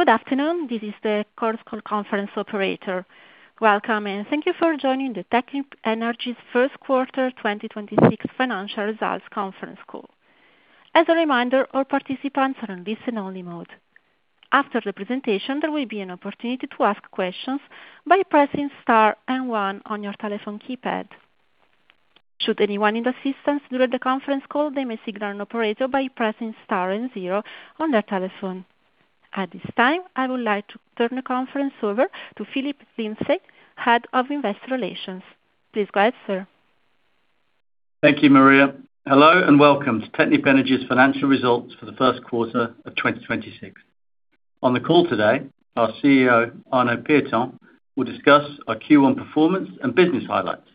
Good afternoon. This is the Technip conference operator. Welcome, and thank you for joining the Technip Energies Q1 2026 financial results conference call. As a reminder, all participants are on listen only mode. After the presentation, there will be an opportunity to ask questions by pressing star and one on your telephone keypad. Should anyone need assistance during the conference call, they may signal an operator by pressing star and zero on your telephone. At this time, I would like to turn the conference over to Phillip Lindsay, Head of Investor Relations. Please go ahead, sir. Thank you, Maria. Hello, welcome to Technip Energies financial results for the 1st quarter of 2026. On the call today, our CEO, Arnaud Pieton, will discuss our Q1 performance and business highlights.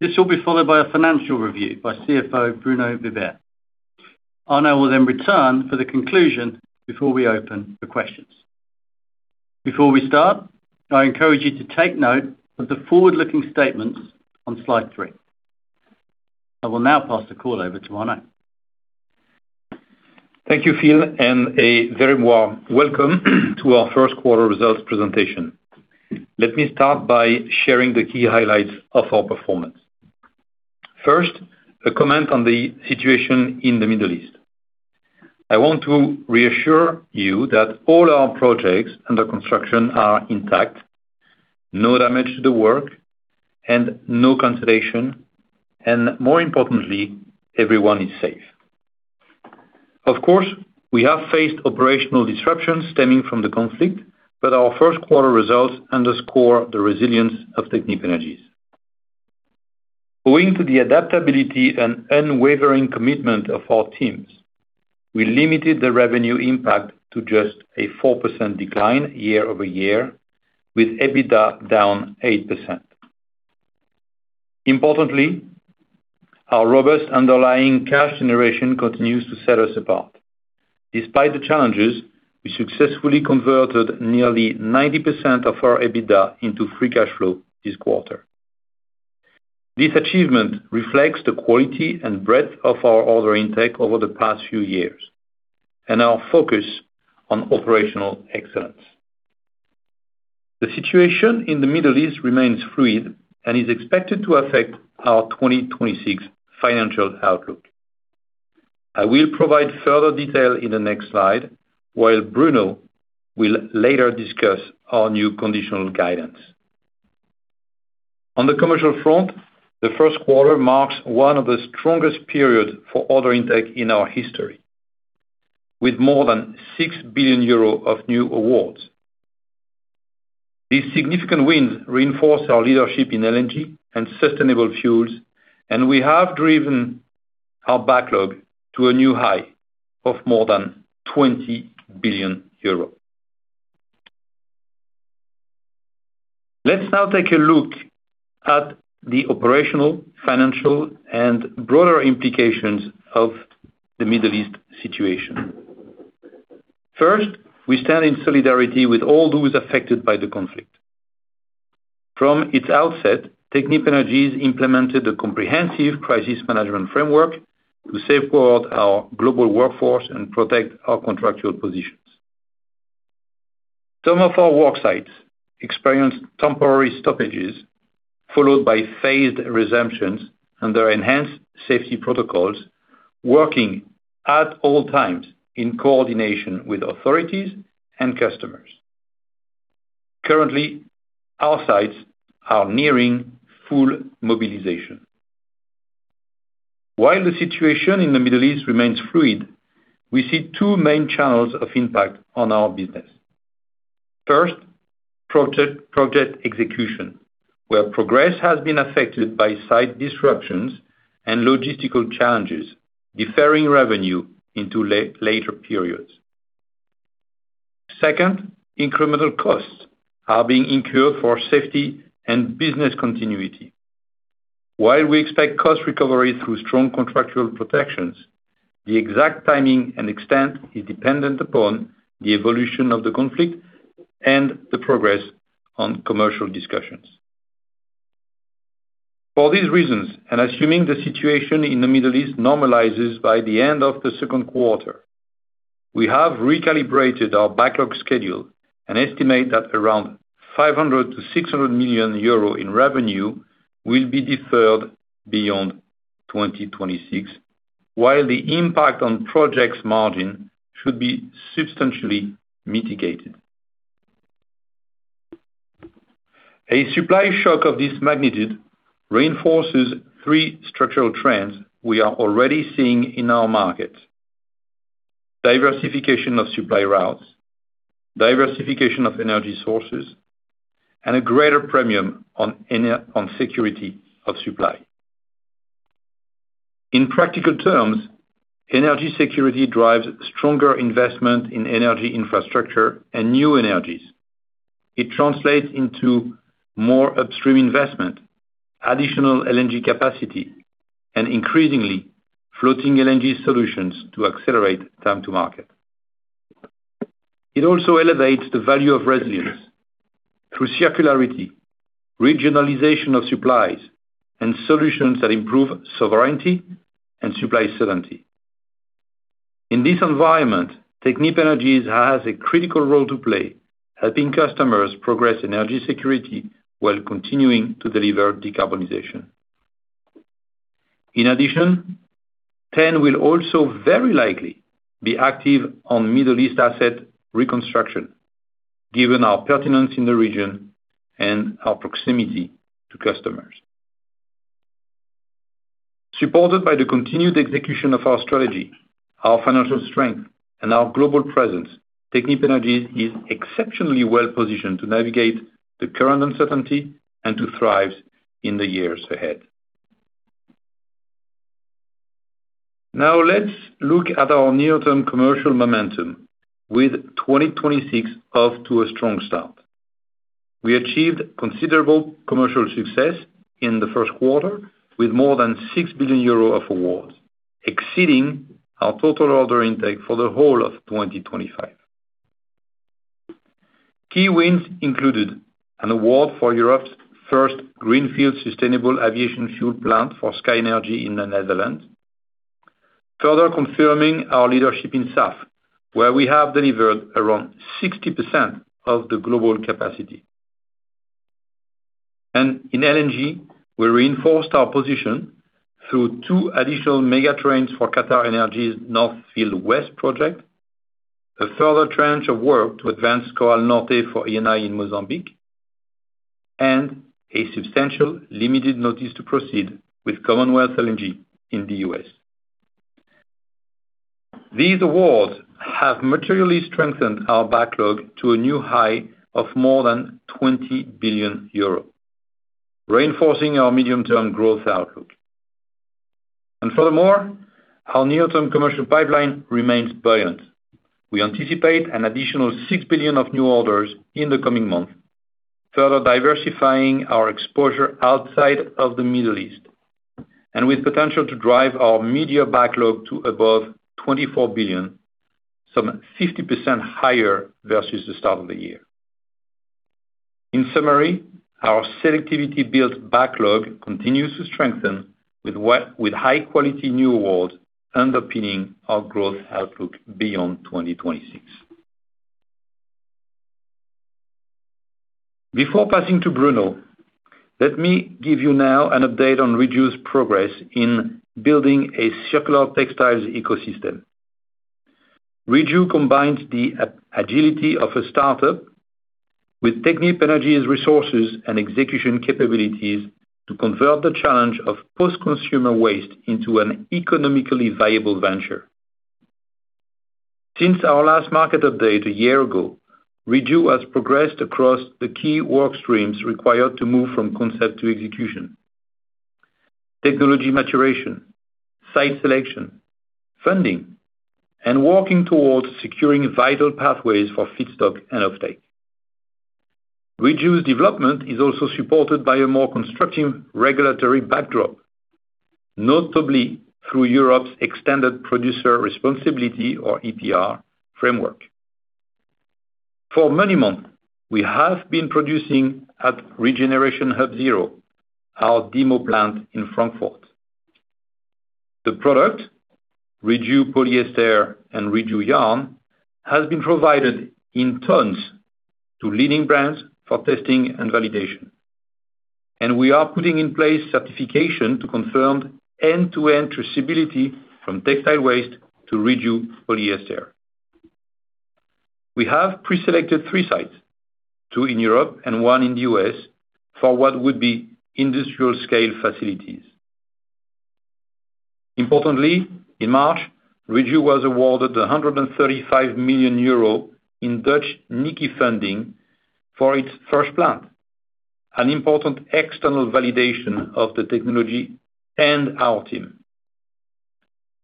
This will be followed by a financial review by CFO Bruno Vibert. Arnaud will then return for the conclusion before we open for questions. Before we start, I encourage you to take note of the forward-looking statements on slide 3. I will now pass the call over to Arnaud. Thank you, Phillip, and a very warm welcome to our Q1 results presentation. Let me start by sharing the key highlights of our performance. First, a comment on the situation in the Middle East. I want to reassure you that all our projects under construction are intact, no damage to the work and no cancellation, and more importantly, everyone is safe. Of course, we have faced operational disruptions stemming from the conflict, but our Q1 results underscore the resilience of Technip Energies. Owing to the adaptability and unwavering commitment of our teams, we limited the revenue impact to just a 4% decline year-over-year, with EBITDA down 8%. Importantly, our robust underlying cash generation continues to set us apart. Despite the challenges, we successfully converted nearly 90% of our EBITDA into free cash flow this quarter. This achievement reflects the quality and breadth of our order intake over the past few years and our focus on operational excellence. The situation in the Middle East remains fluid and is expected to affect our 2026 financial outlook. I will provide further detail in the next slide, while Bruno will later discuss our new conditional guidance. On the commercial front, the Q1 marks one of the strongest period for order intake in our history, with more than 6 billion euros of new awards. These significant wins reinforce our leadership in LNG and sustainable fuels, and we have driven our backlog to a new high of more than 20 billion euros. Let's now take a look at the operational, financial and broader implications of the Middle East situation. First, we stand in solidarity with all those affected by the conflict. From its outset, Technip Energies implemented a comprehensive crisis management framework to safeguard our global workforce and protect our contractual positions. Some of our worksites experienced temporary stoppages followed by phased resumptions under enhanced safety protocols, working at all times in coordination with authorities and customers. Currently, our sites are nearing full mobilization. While the situation in the Middle East remains fluid, we see two main channels of impact on our business. First, project execution, where progress has been affected by site disruptions and logistical challenges, deferring revenue into later periods. Second, incremental costs are being incurred for safety and business continuity. While we expect cost recovery through strong contractual protections, the exact timing and extent is dependent upon the evolution of the conflict and the progress on commercial discussions. For these reasons, assuming the situation in the Middle East normalizes by the end of the Q2, we have recalibrated our backlog schedule and estimate that around 500 million-600 million euro in revenue will be deferred beyond 2026, while the impact on projects margin should be substantially mitigated. A supply shock of this magnitude reinforces three structural trends we are already seeing in our market. Diversification of supply routes, diversification of energy sources, and a greater premium on security of supply. In practical terms, energy security drives stronger investment in energy infrastructure and new energies. It translates into more upstream investment, additional LNG capacity, and increasingly floating LNG solutions to accelerate time to market. It also elevates the value of resilience. Through circularity, regionalization of supplies, and solutions that improve sovereignty and supply certainty. In this environment, Technip Energies has a critical role to play, helping customers progress energy security while continuing to deliver decarbonization. T.EN™ will also very likely be active on Middle East asset reconstruction, given our pertinence in the region and our proximity to customers. Supported by the continued execution of our strategy, our financial strength, and our global presence, Technip Energies is exceptionally well-positioned to navigate the current uncertainty and to thrive in the years ahead. Let's look at our near-term commercial momentum with 2026 off to a strong start. We achieved considerable commercial success in the Q1 with more than 6 billion euro of awards, exceeding our total order intake for the whole of 2025. Key wins included an award for Europe's first greenfield sustainable aviation fuel plant for SkyNRG in the Netherlands. Further confirming our leadership in SAF, where we have delivered around 60% of the global capacity. In LNG, we reinforced our position through 2 additional mega trains for QatarEnergy's North Field West project, a further tranche of work to advance Coral Norte for Eni in Mozambique, and a substantial limited notice to proceed with Commonwealth LNG in the U.S. These awards have materially strengthened our backlog to a new high of more than 20 billion euros, reinforcing our medium-term growth outlook. Furthermore, our near-term commercial pipeline remains buoyant. We anticipate an additional 6 billion of new orders in the coming months, further diversifying our exposure outside of the Middle East, and with potential to drive our media backlog to above 24 billion, some 50% higher versus the start of the year. In summary, our selectivity-built backlog continues to strengthen with high-quality new awards underpinning our growth outlook beyond 2026. Before passing to Bruno, let me give you now an update on Reju's progress in building a circular textiles ecosystem. Reju combines the agility of a startup with Technip Energies' resources and execution capabilities to convert the challenge of post-consumer waste into an economically viable venture. Since our last market update a year ago, Reju has progressed across the key work streams required to move from concept to execution. Technology maturation, site selection, funding, and working towards securing vital pathways for feedstock and offtake. Reju's development is also supported by a more constructive regulatory backdrop, notably through Europe's extended producer responsibility, or EPR, framework. For many months, we have been producing at Regeneration Hub Zero, our demo plant in Frankfurt. The product, Reju Polyester and Reju yarn, has been provided in tons to leading brands for testing and validation. We are putting in place certification to confirm end-to-end traceability from textile waste to Reju Polyester. We have preselected 3 sites, 2 in Europe and 1 in the U.S., for what would be industrial-scale facilities. Importantly, in March, Reju was awarded 135 million euro in Dutch NIKI funding for its first plant, an important external validation of the technology and our team.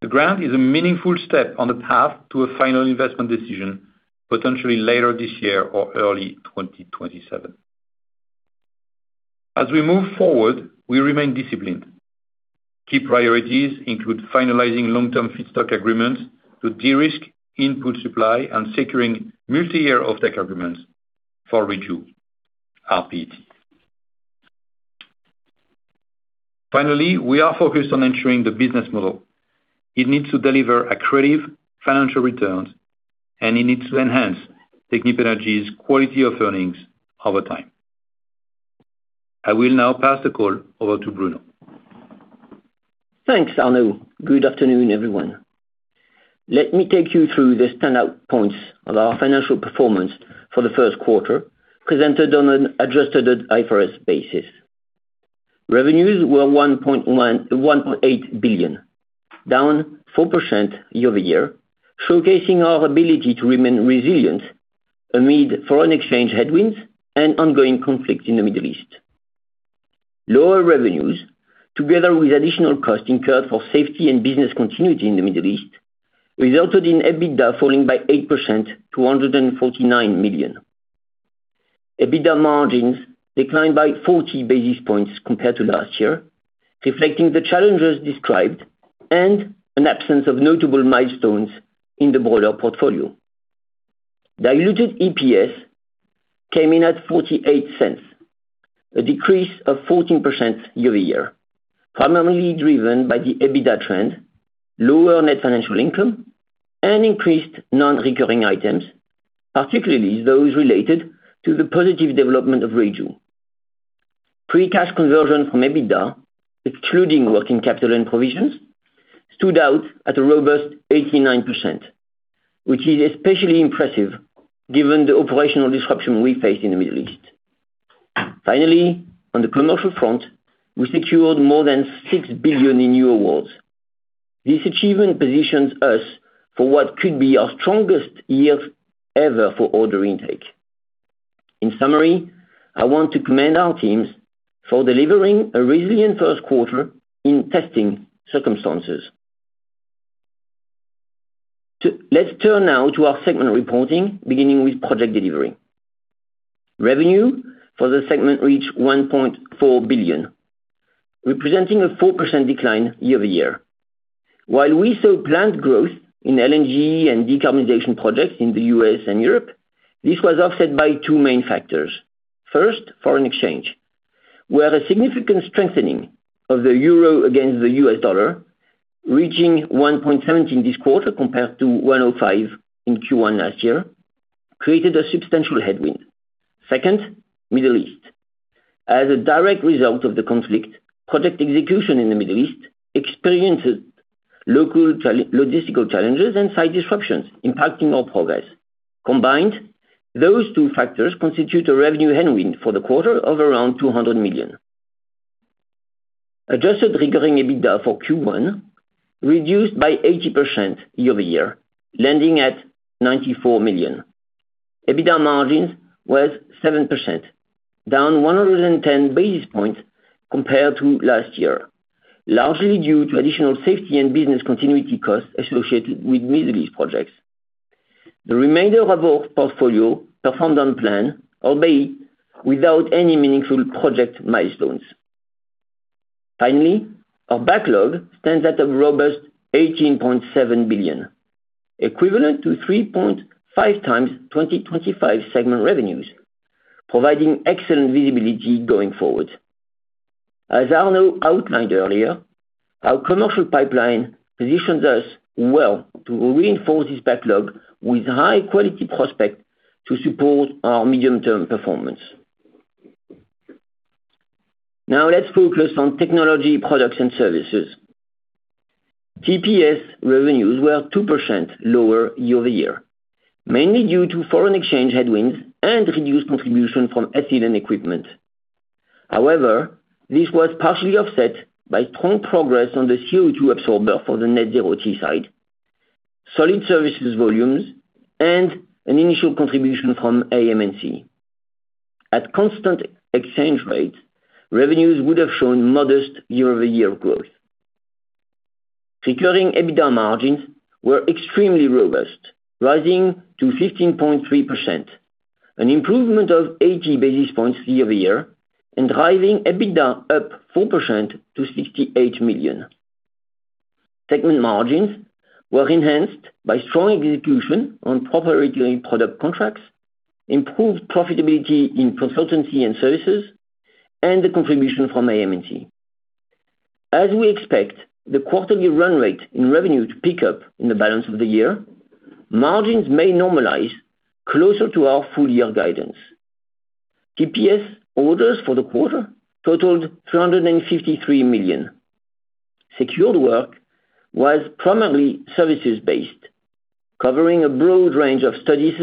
The grant is a meaningful step on the path to a final investment decision, potentially later this year or early 2027. As we move forward, we remain disciplined. Key priorities include finalizing long-term feedstock agreements to de-risk input supply and securing multiyear off-take agreements for Reju, rPET. Finally, we are focused on ensuring the business model. It needs to deliver accretive financial returns, and it needs to enhance Technip Energies's quality of earnings over time. I will now pass the call over to Bruno. Thanks, Arnaud. Good afternoon, everyone. Let me take you through the standout points of our financial performance for the Q1, presented on an adjusted IFRS basis. Revenues were 1.8 billion, down 4% year-over-year, showcasing our ability to remain resilient amid foreign exchange headwinds and ongoing conflict in the Middle East. Lower revenues, together with additional costs incurred for safety and business continuity in the Middle East, resulted in EBITDA falling by 8% to 149 million. EBITDA margins declined by 40 basis points compared to last year. Reflecting the challenges described and an absence of notable milestones in the broader portfolio. Diluted EPS came in at 0.48, a decrease of 14% year-over-year, primarily driven by the EBITDA trend, lower net financial income, and increased non-recurring items, particularly those related to the positive development of Reju. Free cash conversion from EBITDA, excluding working capital and provisions, stood out at a robust 89%, which is especially impressive given the operational disruption we faced in the Middle East. On the commercial front, we secured more than 6 billion in new awards. This achievement positions us for what could be our strongest year ever for order intake. In summary, I want to commend our teams for delivering a resilient Q1 in testing circumstances. Let's turn now to our segment reporting, beginning with project delivery. Revenue for the segment reached 1.4 billion, representing a 4% decline year-over-year. We saw plant growth in LNG and decarbonization projects in the U.S. and Europe, this was offset by two main factors. First, foreign exchange, where a significant strengthening of the euro against the US dollar, reaching 1.7 in this quarter compared to 1.05 in Q1 last year, created a substantial headwind. Second, Middle East. As a direct result of the conflict, project execution in the Middle East experienced logistical challenges and site disruptions impacting our progress. Combined, those two factors constitute a revenue headwind for the quarter of around 200 million. Adjusted recurring EBITDA for Q1 reduced by 80% year-over-year, landing at EUR 94 million. EBITDA margins was 7%, down 110 basis points compared to last year, largely due to additional safety and business continuity costs associated with Middle East projects. The remainder of our portfolio performed on plan, albeit without any meaningful project milestones. Finally, our backlog stands at a robust 18.7 billion, equivalent to 3.5x 2025 segment revenues, providing excellent visibility going forward. As Arnaud outlined earlier, our commercial pipeline positions us well to reinforce this backlog with high-quality prospect to support our medium-term performance. Now let's focus on technology, products, and services. TPS revenues were 2% lower year-over-year, mainly due to foreign exchange headwinds and reduced contribution from ethylene equipment. However, this was partially offset by strong progress on the CO2 absorber for the Net Zero Teesside, solid services volumes, and an initial contribution from AM&C. At constant exchange rates, revenues would have shown modest year-over-year growth. Recurring EBITDA margins were extremely robust, rising to 15.3%, an improvement of 80 basis points year-over-year, and driving EBITDA up 4% to 68 million. Segment margins were enhanced by strong execution on proper recurring product contracts, improved profitability in consultancy and services, and the contribution from AM&C. As we expect the quarterly run rate in revenue to pick up in the balance of the year, margins may normalize closer to our full year guidance. TPS orders for the quarter totaled 353 million. Secured work was primarily services-based, covering a broad range of studies,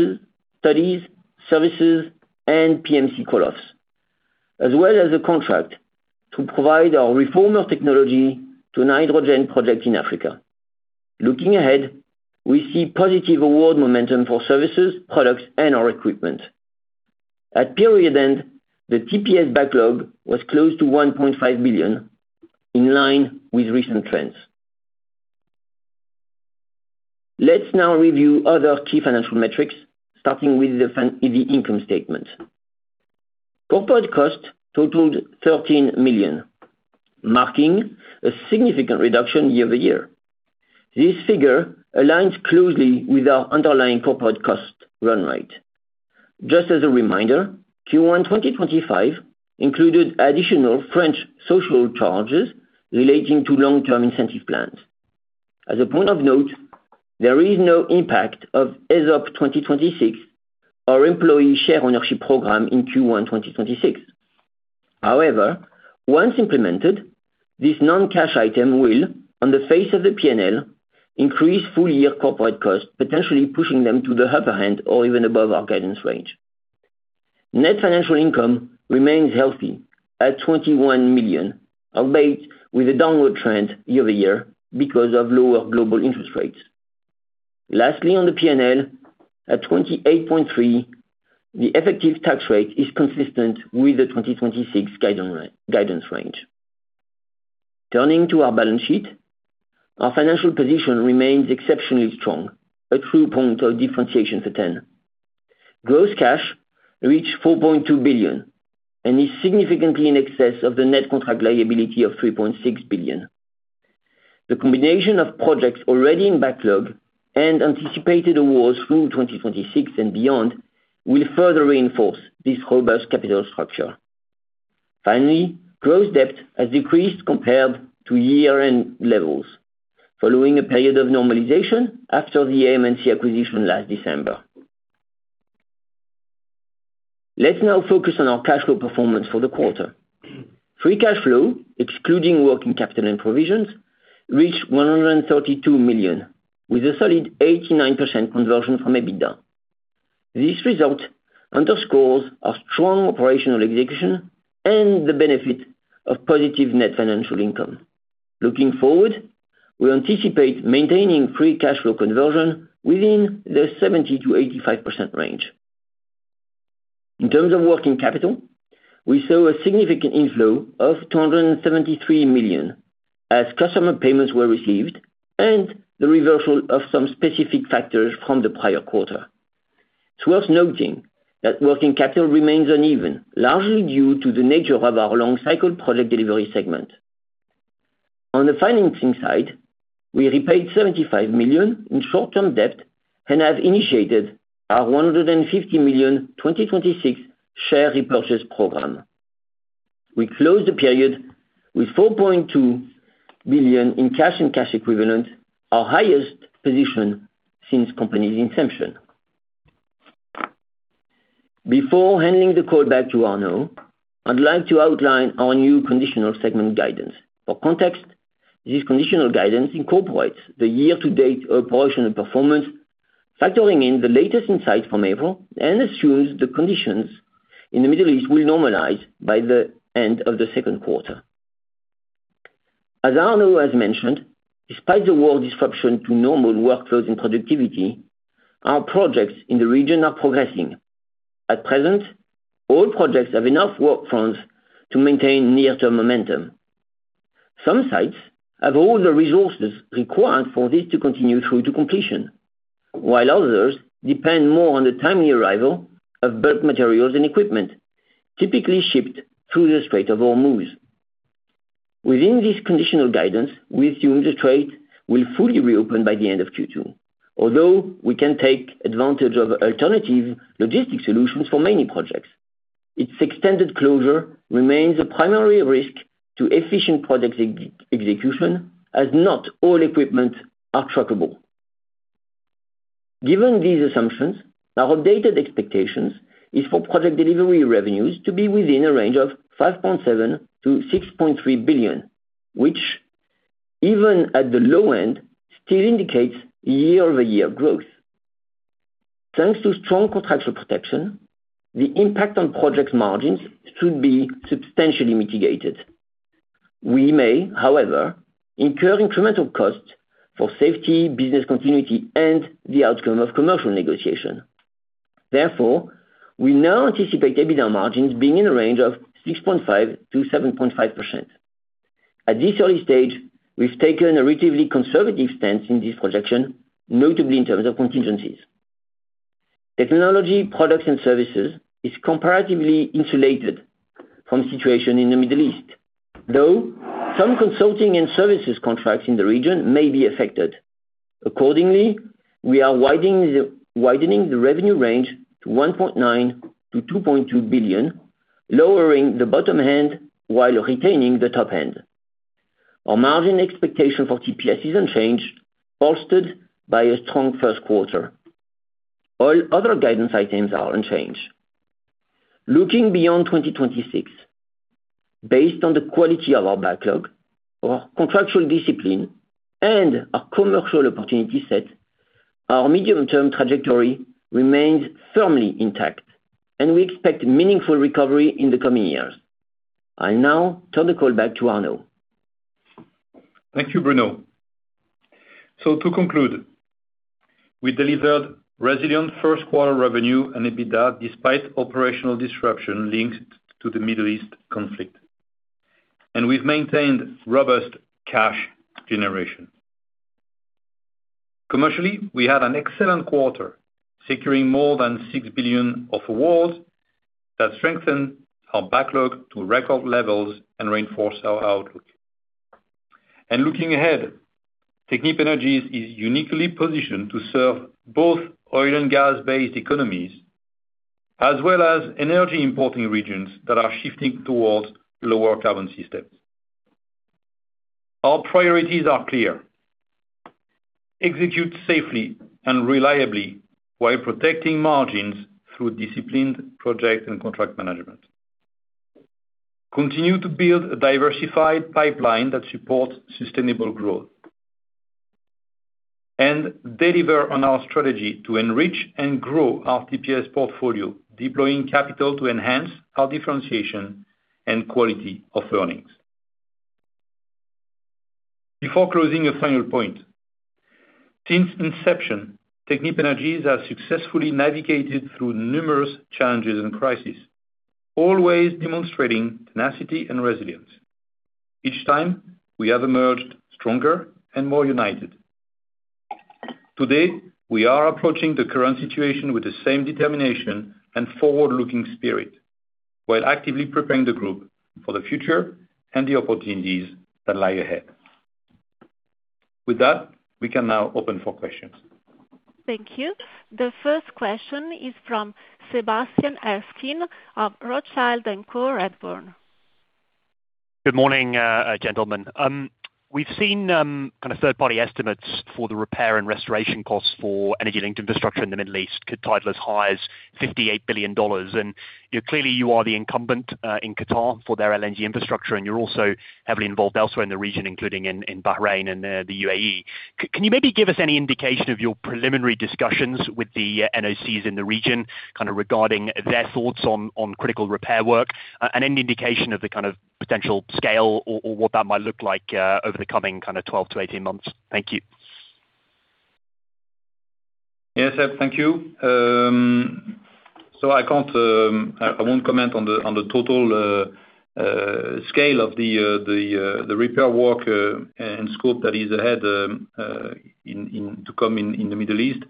services, and PMC call-offs, as well as a contract to provide our reformer technology to a hydrogen project in Africa. Looking ahead, we see positive award momentum for services, products, and our equipment. At period end, the TPS backlog was close to 1.5 billion, in line with recent trends. Let's now review other key financial metrics, starting with the income statement. Corporate costs totaled 13 million, marking a significant reduction year-over-year. This figure aligns closely with our underlying corporate cost run rate. Just as a reminder, Q1 2025 included additional French social charges relating to long-term incentive plans. As a point of note, there is no impact of ESOP 2026 or employee share ownership program in Q1 2026. However, once implemented, this non-cash item will, on the face of the P&L, increase full-year corporate costs, potentially pushing them to the upper end or even above our guidance range. Net financial income remains healthy at 21 million, albeit with a downward trend year-over-year because of lower global interest rates. Lastly, on the P&L at 28.3%, the effective tax rate is consistent with the 2026 guidance range. Turning to our balance sheet, our financial position remains exceptionally strong, a true point of differentiation for T.EN. Gross cash reached 4.2 billion, and is significantly in excess of the net contract liability of 3.6 billion. The combination of projects already in backlog and anticipated awards through 2026 and beyond will further reinforce this robust capital structure. Finally, gross debt has decreased compared to year-end levels following a period of normalization after the AM&C acquisition last December. Let's now focus on our cash flow performance for the quarter. Free cash flow, excluding working capital and provisions, reached 132 million, with a solid 89% conversion from EBITDA. This result underscores our strong operational execution and the benefit of positive net financial income. Looking forward, we anticipate maintaining free cash flow conversion within the 70%-85% range. In terms of working capital, we saw a significant inflow of 273 million as customer payments were received and the reversal of some specific factors from the prior quarter. It's worth noting that working capital remains uneven, largely due to the nature of our long cycle project delivery segment. On the financing side, we repaid 75 million in short-term debt and have initiated our 150 million 2026 share repurchase program. We closed the period with 4.2 billion in cash and cash equivalents, our highest position since company's inception. Before handing the call back to Arnaud, I'd like to outline our new conditional segment guidance. For context, this conditional guidance incorporates the year-to-date operational performance, factoring in the latest insight from April and assumes the conditions in the Middle East will normalize by the end of the Q2. As Arnaud has mentioned, despite the war disruption to normal workflows and productivity, our projects in the region are progressing. At present, all projects have enough work funds to maintain near-term momentum. Some sites have all the resources required for this to continue through to completion, while others depend more on the timely arrival of bulk materials and equipment typically shipped through the Strait of Hormuz. Within this conditional guidance, we assume the strait will fully reopen by the end of Q2. Although we can take advantage of alternative logistics solutions for many projects, its extended closure remains a primary risk to efficient project execution, as not all equipment are trackable. Given these assumptions, our updated expectations is for project delivery revenues to be within a range of 5.7 billion-6.3 billion, which even at the low end, still indicates year-over-year growth. Thanks to strong contractual protection, the impact on project margins should be substantially mitigated. We may, however, incur incremental costs for safety, business continuity, and the outcome of commercial negotiation. We now anticipate EBITDA margins being in a range of 6.5%-7.5%. At this early stage, we've taken a relatively conservative stance in this projection, notably in terms of contingencies. Technology products and services is comparatively insulated from the situation in the Middle East, though some consulting and services contracts in the region may be affected. We are widening the revenue range to 1.9 billion-2.2 billion, lowering the bottom end while retaining the top end. Our margin expectation for TPS is unchanged, bolstered by a strong 1st quarter. All other guidance items are unchanged. Looking beyond 2026, based on the quality of our backlog, our contractual discipline, and our commercial opportunity set, our medium-term trajectory remains firmly intact, and we expect meaningful recovery in the coming years. I'll now turn the call back to Arnaud. Thank you, Bruno. To conclude, we delivered resilient Q1 revenue and EBITDA despite operational disruption linked to the Middle East conflict. We've maintained robust cash generation. Commercially, we had an excellent quarter, securing more than 6 billion of awards that strengthen our backlog to record levels and reinforce our outlook. Looking ahead, Technip Energies is uniquely positioned to serve both oil and gas-based economies, as well as energy importing regions that are shifting towards lower carbon systems. Our priorities are clear: execute safely and reliably while protecting margins through disciplined project and contract management. Continue to build a diversified pipeline that supports sustainable growth. Deliver on our strategy to enrich and grow our TPS portfolio, deploying capital to enhance our differentiation and quality of earnings. Before closing, a final point. Since inception, Technip Energies has successfully navigated through numerous challenges and crises, always demonstrating tenacity and resilience. Each time, we have emerged stronger and more united. Today, we are approaching the current situation with the same determination and forward-looking spirit, while actively preparing the group for the future and the opportunities that lie ahead. With that, we can now open for questions. Thank you. The first question is from Sebastian Erskine of Rothschild & Co Redburn. Good morning, gentlemen. We've seen, kind of third-party estimates for the repair and restoration costs for energy-linked infrastructure in the Middle East titled as high as $58 billion. You know, clearly you are the incumbent in Qatar for their LNG infrastructure, and you're also heavily involved elsewhere in the region, including in Bahrain and the UAE. Can you maybe give us any indication of your preliminary discussions with the NOCs in the region, kind of regarding their thoughts on critical repair work, and any indication of the kind of potential scale or what that might look like over the coming kind of 12-18 months? Thank you. Yes, Sebastian. Thank you. I can't comment on the total scale of the repair work and scope that is ahead to come in the Middle East.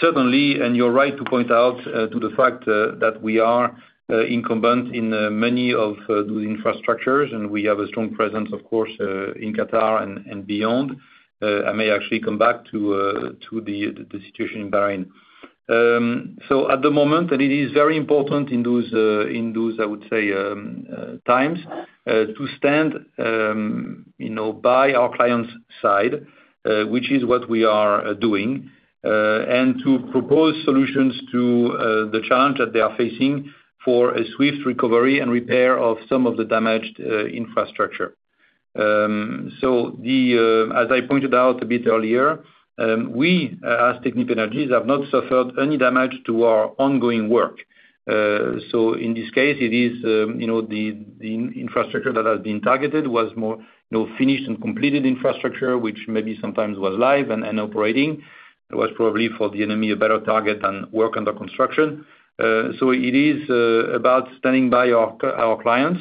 Certainly, and you're right to point out to the fact that we are incumbent in many of those infrastructures, and we have a strong presence, of course, in Qatar and beyond. I may actually come back to the situation in Bahrain. At the moment, and it is very important in those, in those, I would say, times, to stand, you know, by our clients' side, which is what we are doing, and to propose solutions to the challenge that they are facing for a swift recovery and repair of some of the damaged infrastructure. The, as I pointed out a bit earlier, we, as Technip Energies, have not suffered any damage to our ongoing work. In this case, it is, you know, the infrastructure that has been targeted was more, you know, finished and completed infrastructure, which maybe sometimes was live and operating. It was probably for the enemy a better target than work under construction. It is about standing by our clients.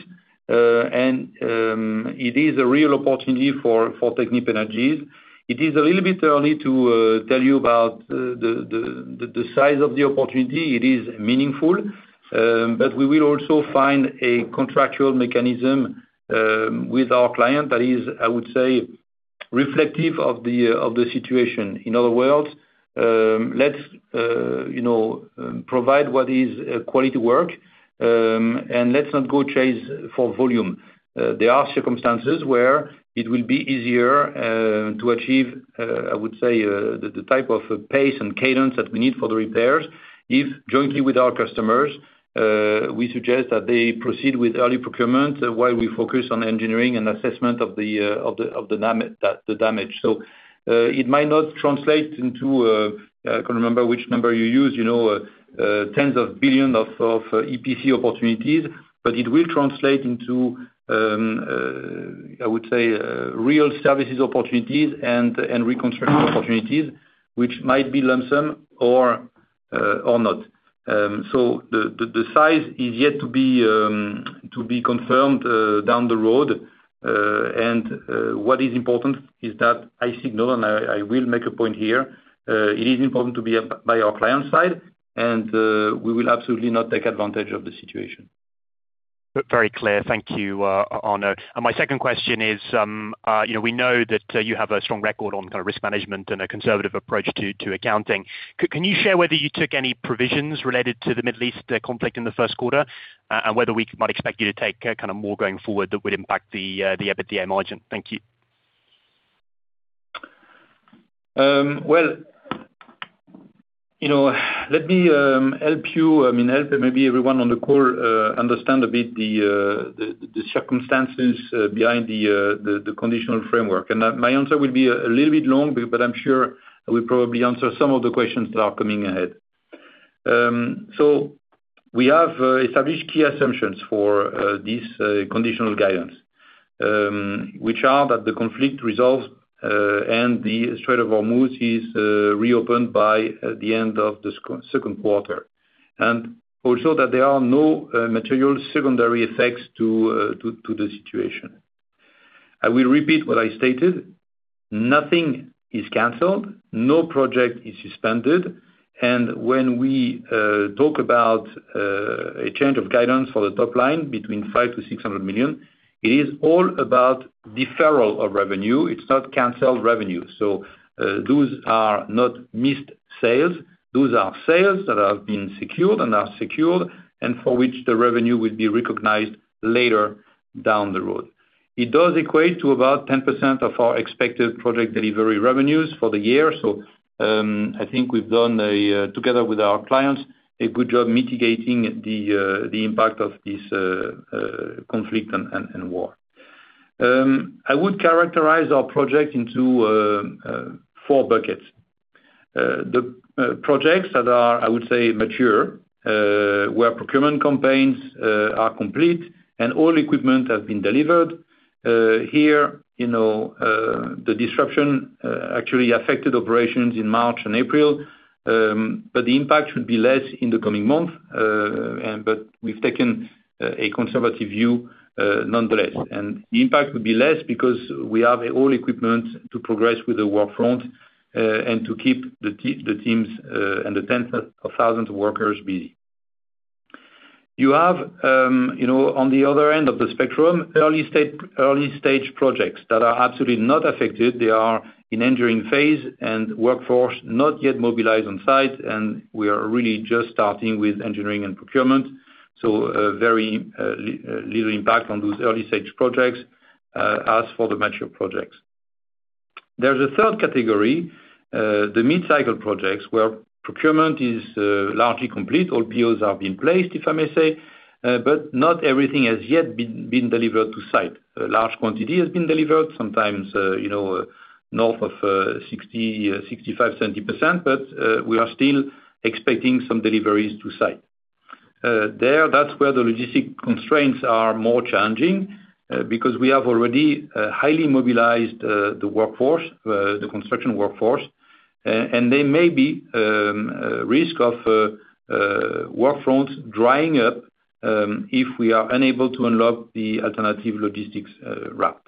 It is a real opportunity for Technip Energies. It is a little bit early to tell you about the size of the opportunity. It is meaningful, we will also find a contractual mechanism with our client that is, I would say, reflective of the situation. In other words, let's, you know, provide what is quality work, let's not go chase for volume. There are circumstances where it will be easier to achieve, I would say, the type of pace and cadence that we need for the repairs if, jointly with our customers, we suggest that they proceed with early procurement while we focus on engineering and assessment of the damage. It might not translate into, I can't remember which number you used, 10s of billions of, EPC opportunities, but it will translate into, I would say, real services opportunities and reconstruction opportunities, which might be lump sum or not. The, the size is yet to be, to be confirmed, down the road. What is important is that I signal and I will make a point here, it is important to be up by our clients' side, and, we will absolutely not take advantage of the situation. Very clear. Thank you, Arnaud. My second question is, you know, we know that you have a strong record on kind of risk management and a conservative approach to accounting. Can you share whether you took any provisions related to the Middle East conflict in the 1st quarter, and whether we might expect you to take kind of more going forward that would impact the EBITDA margin? Thank you. Well, you know, let me, I mean, help maybe everyone on the call understand a bit the circumstances behind the conditional framework. My answer will be a little bit long, but I'm sure I will probably answer some of the questions that are coming ahead. We have established key assumptions for this conditional guidance, which are that the conflict resolves and the Strait of Hormuz is reopened by the end of the Q2. Also that there are no material secondary effects to the situation. I will repeat what I stated. Nothing is canceled, no project is suspended. When we talk about a change of guidance for the top line between 500 million-600 million, it is all about deferral of revenue. It's not canceled revenue. Those are not missed sales. Those are sales that have been secured and are secured, and for which the revenue will be recognized later down the road. It does equate to about 10% of our expected project delivery revenues for the year. I think we've done together with our clients, a good job mitigating the impact of this conflict and war. I would characterize our project into 4 buckets. The projects that are, I would say, mature, where procurement campaigns are complete and all equipment has been delivered, here, you know, the disruption actually affected operations in March and April. The impact should be less in the coming month. We've taken a conservative view, nonetheless. The impact would be less because we have all equipment to progress with the workfront, and to keep the teams and the tens of thousands of workers busy. You have, you know, on the other end of the spectrum, early-stage projects that are absolutely not affected. They are in engineering phase and workforce not yet mobilized on site, and we are really just starting with engineering and procurement. Very little impact on those early-stage projects, as for the mature projects. There's a third category, the mid-cycle projects, where procurement is largely complete. All POs have been placed, if I may say, but not everything has yet been delivered to site. A large quantity has been delivered, sometimes, you know, north of 60, 65, 70%, but we are still expecting some deliveries to site. There, that's where the logistic constraints are more challenging, because we have already highly mobilized the workforce, the construction workforce. There may be risk of workfronts drying up if we are unable to unlock the alternative logistics route.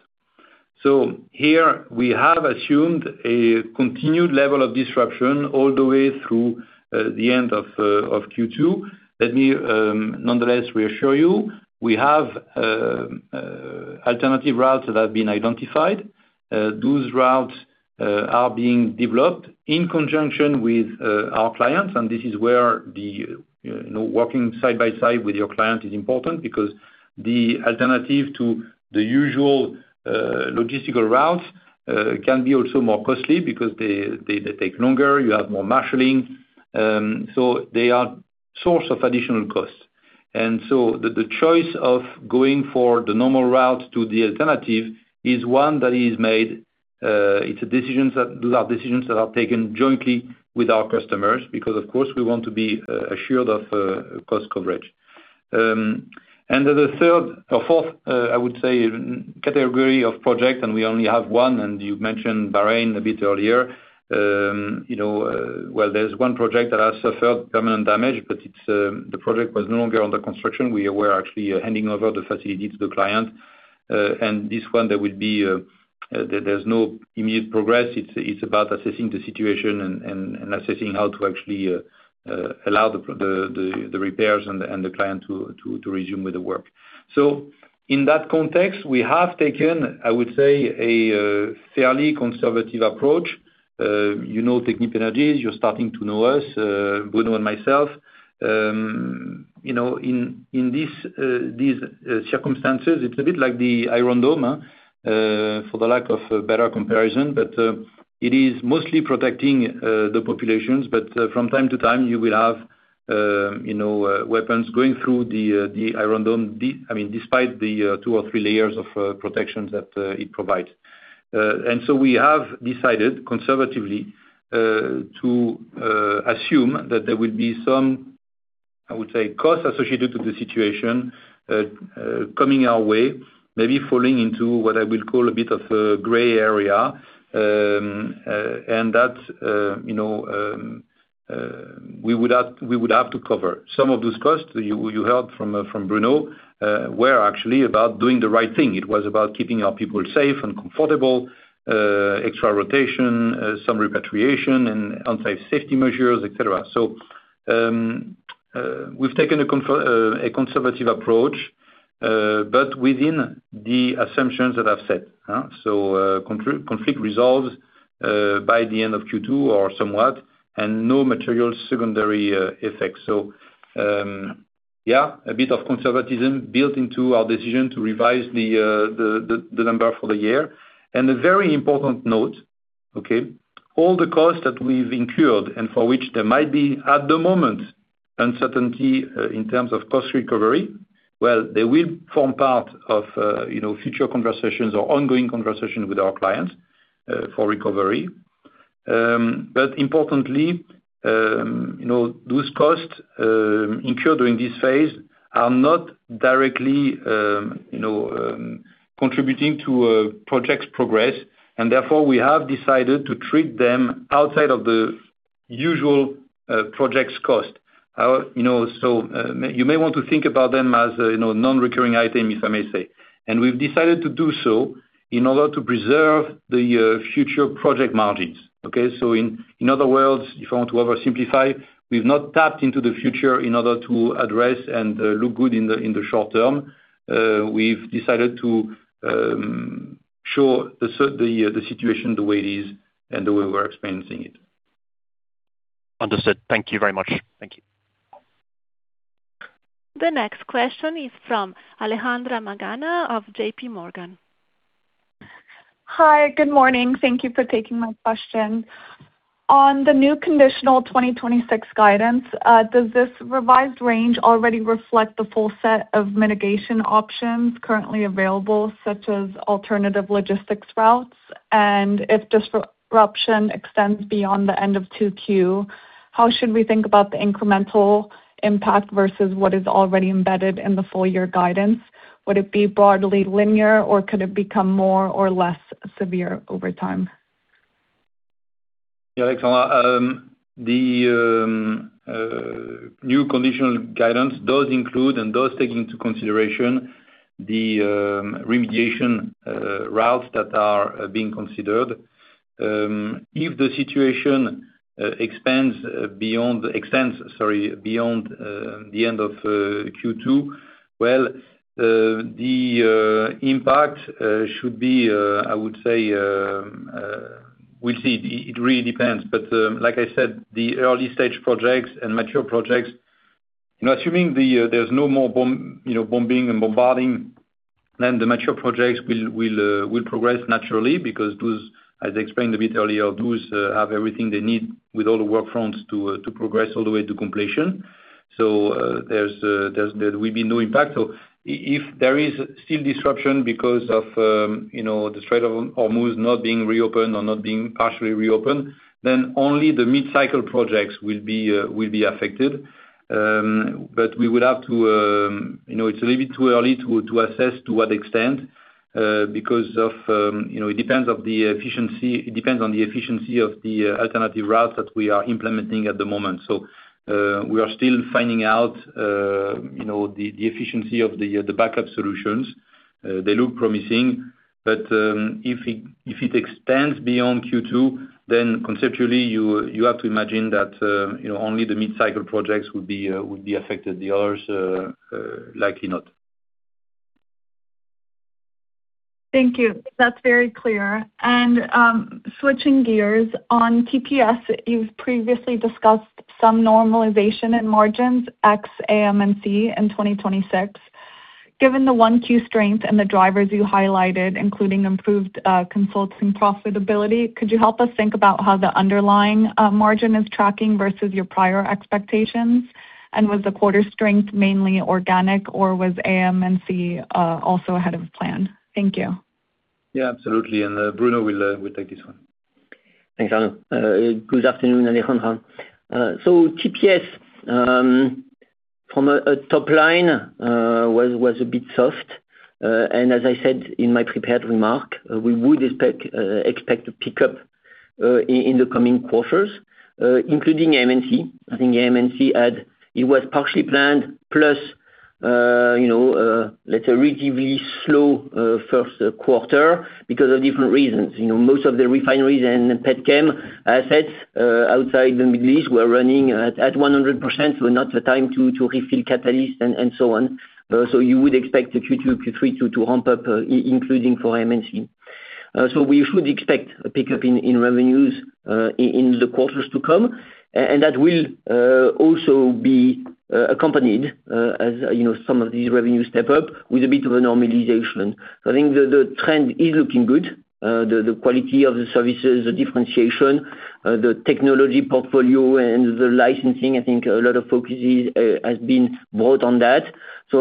Here we have assumed a continued level of disruption all the way through the end of Q2. Let me, nonetheless reassure you, we have alternative routes that have been identified. Those routes are being developed in conjunction with our clients. This is where the, you know, working side by side with your client is important because the alternative to the usual logistical routes can be also more costly because they take longer, you have more marshaling. They are source of additional costs. The choice of going for the normal route to the alternative is 1 that is made. Those are decisions that are taken jointly with our customers because of course, we want to be assured of cost coverage. The 3rd or 4th, I would say, category of project, and we only have 1, and you've mentioned Bahrain a bit earlier. You know, well, there's one project that has suffered permanent damage, but it's the project was no longer under construction. We were actually handing over the facility to the client. This one, there's no immediate progress. It's about assessing the situation and assessing how to actually allow the repairs and the client to resume with the work. In that context, we have taken, I would say, a fairly conservative approach. You know, Technip Energies, you're starting to know us, Bruno and myself. You know, in this, these circumstances, it's a bit like the Iron Dome for the lack of a better comparison. It is mostly protecting the populations. From time to time, you will have, you know, weapons going through the Iron Dome. I mean, despite the 2 or 3 layers of protections that it provides. We have decided conservatively to assume that there will be some, I would say, costs associated to the situation coming our way, maybe falling into what I will call a bit of a gray area. That, you know, we would have to cover some of those costs. You heard from Bruno, were actually about doing the right thing. It was about keeping our people safe and comfortable, extra rotation, some repatriation and on-site safety measures, et cetera. We've taken a conservative approach, but within the assumptions that I've set, huh? Conflict resolved by the end of Q2 or somewhat, and no material secondary effects. A very important note, okay, all the costs that we've incurred and for which there might be, at the moment, uncertainty in terms of cost recovery, well, they will form part of, you know, future conversations or ongoing conversations with our clients for recovery. But importantly, you know, those costs incurred during this phase are not directly, you know, contributing to project's progress, and therefore, we have decided to treat them outside of the usual project's cost. You know, you may want to think about them as a, you know, non-recurring item, if I may say. We've decided to do so in order to preserve the future project margins, okay? In other words, if you want to oversimplify, we've not tapped into the future in order to address and look good in the short term. We've decided to show the situation the way it is and the way we're experiencing it. Understood. Thank you very much. Thank you. The next question is from Alejandra Magana of JPMorgan. Hi, good morning. Thank you for taking my question. On the new conditional 2026 guidance, does this revised range already reflect the full set of mitigation options currently available, such as alternative logistics routes? If disruption extends beyond the end of 2Q, how should we think about the incremental impact versus what is already embedded in the full year guidance? Would it be broadly linear, or could it become more or less severe over time? Yeah, Alejandra, the new conditional guidance does include and does take into consideration the remediation routes that are being considered. If the situation extends, sorry, beyond the end of Q2, well, the impact should be, I would say, we'll see. It really depends. Like I said, the early stage projects and mature projects, you know, assuming there's no more, you know, bombing and bombarding, then the mature projects will progress naturally because those, as I explained a bit earlier, those have everything they need with all the work fronts to progress all the way to completion. There will be no impact. If there is still disruption because of, you know, the Strait of Hormuz not being reopened or not being partially reopened, only the mid-cycle projects will be affected. We would have to, you know, it's a little bit too early to assess to what extent, because of, you know, it depends on the efficiency of the alternative routes that we are implementing at the moment. We are still finding out, you know, the efficiency of the backup solutions. They look promising, if it extends beyond Q2, conceptually you have to imagine that, you know, only the mid-cycle projects would be affected. The others likely not. Thank you. That's very clear. Switching gears, on TPS, you've previously discussed some normalization in margins X AM&C in 2026. Given the 1 Q strength and the drivers you highlighted, including improved consulting profitability, could you help us think about how the underlying margin is tracking versus your prior expectations? Was the quarter strength mainly organic or was AM&C also ahead of plan? Thank you. Yeah, absolutely. Bruno will take this one. Thanks, Arnaud. Good afternoon, Alejandra. TPS from a top line was a bit soft. As I said in my prepared remark, we would expect to pick up in the coming quarters, including AM&C. I think AM&C had. It was partially planned plus, you know, let's say relatively slow 1st quarter because of different reasons. You know, most of the refineries and Petrochemical Assets outside the Middle East were running at 100%, were not the time to refill catalyst and so on. You would expect the Q2, Q3 to ramp up, including for AM&C. We should expect a pickup in revenues in the quarters to come. That will also be accompanied, as, you know, some of these revenues step up with a bit of a normalization. I think the trend is looking good. The quality of the services, the differentiation, the technology portfolio and the licensing, I think a lot of focus has been brought on that.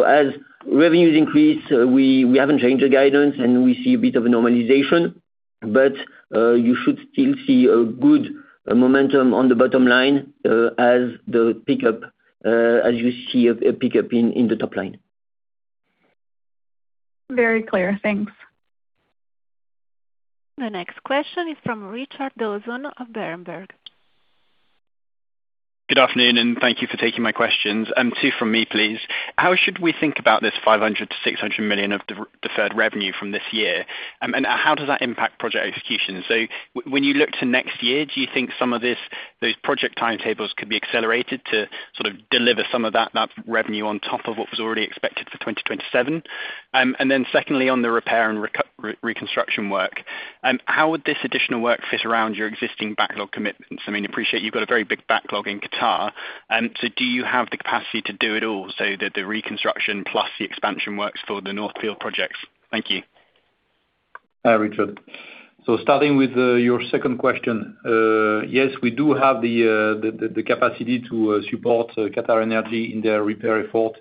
As revenues increase, we haven't changed the guidance, and we see a bit of a normalization, but you should still see a good momentum on the bottom line, as the pickup, as you see a pickup in the top line. Very clear. Thanks. The next question is from Richard Dawson of Berenberg. Good afternoon, and thank you for taking my questions. Two from me, please. How should we think about this 500 million-600 million of deferred revenue from this year? How does that impact project execution? When you look to next year, do you think some of those project timetables could be accelerated to sort of deliver some of that revenue on top of what was already expected for 2027? Then Secondly, on the repair and reconstruction work, how would this additional work fit around your existing backlog commitments? I mean, appreciate you've got a very big backlog in Qatar, do you have the capacity to do it all, so the reconstruction plus the expansion works for the North Field projects? Thank you. Hi, Richard. Starting with your second question, yes, we do have the capacity to support QatarEnergy in their repair effort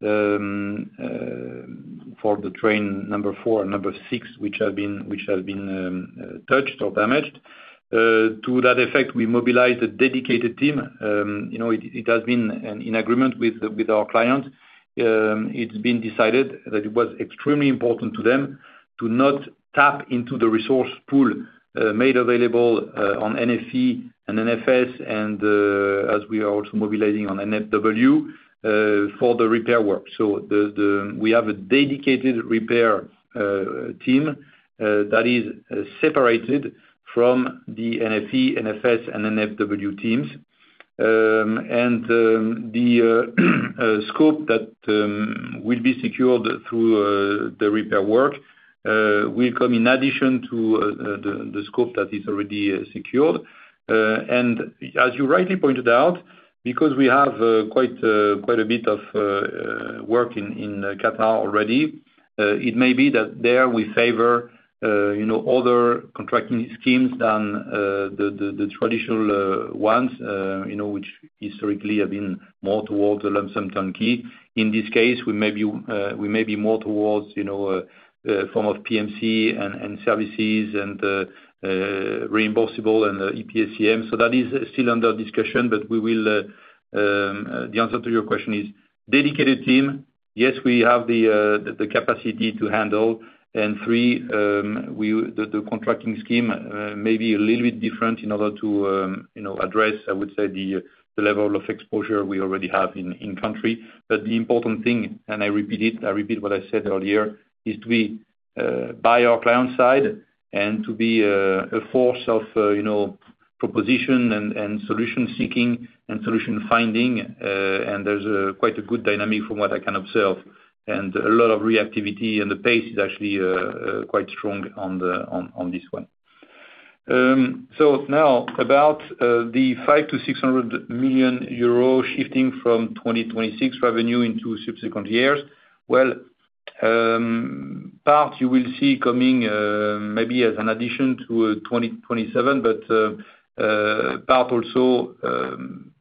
for the train number 4 and number 6, which have been touched or damaged. To that effect, we mobilized a dedicated team. You know, it has been an agreement with our client. It's been decided that it was extremely important to them to not tap into the resource pool made available on NFE and NFS and as we are also mobilizing on NFW for the repair work. We have a dedicated repair team that is separated from the NFE, NFS, and NFW teams. The scope that will be secured through the repair work will come in addition to the scope that is already secured. As you rightly pointed out, because we have quite a bit of work in Qatar already, it may be that there we favor, you know, other contracting schemes than the traditional ones, you know, which historically have been more towards the lump sum turnkey. In this case, we may be more towards, you know, a form of PMC and services and reimbursable and EPSCM. That is still under discussion, but we will, the answer to your question is dedicated team. Yes, we have the capacity to handle. 3, the contracting scheme may be a little bit different in order to, you know, address, I would say, the level of exposure we already have in country. The important thing, I repeat what I said earlier, is to be by our client side and to be a force of, you know, proposition and solution-seeking and solution-finding. There's a quite a good dynamic from what I can observe. A lot of reactivity and the pace is actually quite strong on this one. Now about the 500 million-600 million euro shifting from 2026 revenue into subsequent years. Well, part you will see coming, maybe as an addition to 2027, but part also,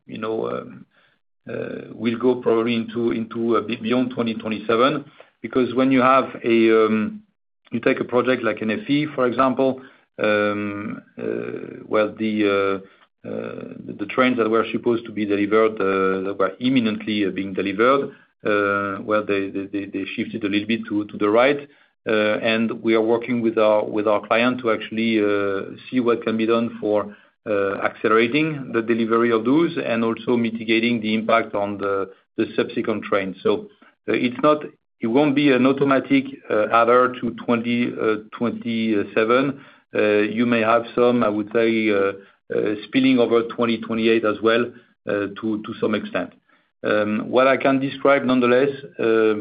you know, will go probably into a bit beyond 2027. Because when you have a, you take a project like NFE, for example, well, the trains that were supposed to be delivered, that were imminently being delivered, well, they shifted a little bit to the right. We are working with our, with our client to actually see what can be done for accelerating the delivery of those and also mitigating the impact on the subsequent trains. It won't be an automatic adder to 2027. You may have some, I would say, spilling over 2028 as well, to some extent. What I can describe nonetheless,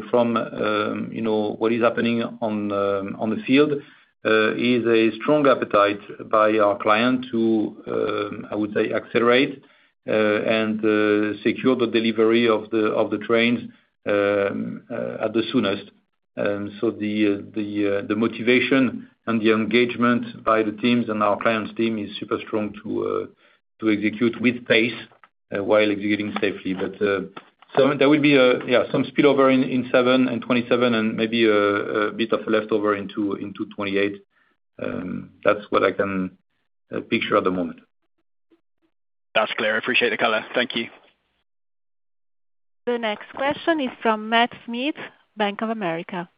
from, you know, what is happening on the field, is a strong appetite by our client to, I would say, accelerate and secure the delivery of the trains at the soonest. The motivation and the engagement by the teams and our clients team is super strong to execute with pace while executing safely. There will be, yeah, some spillover in 2027 and maybe a bit of leftover into 2028. That's what I can picture at the moment. That's clear. I appreciate the color. Thank you. The next question is from Matthew Smith, Bank of America.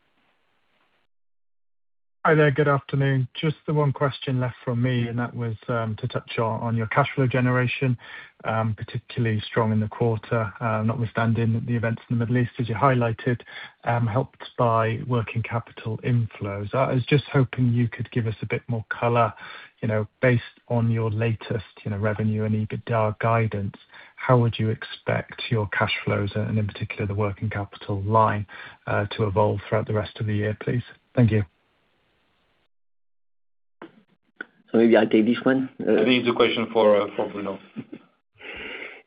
Hi there. Good afternoon. Just the one question left from me, and that was to touch on your cash flow generation, particularly strong in the quarter, notwithstanding the events in the Middle East, as you highlighted, helped by working capital inflows. I was just hoping you could give us a bit more color, you know, based on your latest, you know, revenue and EBITDA guidance, how would you expect your cash flows, and in particular the working capital line, to evolve throughout the rest of the year, please? Thank you. Maybe I take this one. I think it's a question for Bruno.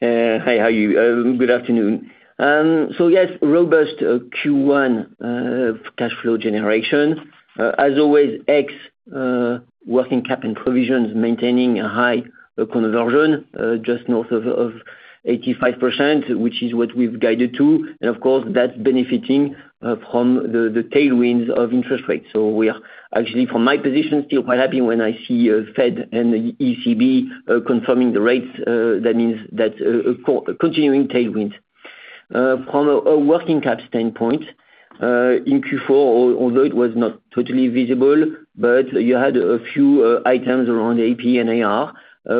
Hi. How are you? Good afternoon. Yes, robust Q1 cash flow generation. As always, ex working cap and provisions maintaining a high conversion, just north of 85%, which is what we've guided to. Of course, that's benefiting from the tailwinds of interest rates. We are actually, from my position, still quite happy when I see Fed and the ECB confirming the rates. That means that continuing tailwinds. From a working cap standpoint, in Q4, although it was not totally visible, but you had a few items around AP and AR,